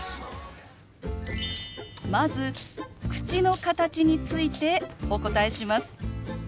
まず口の形についてお答えします。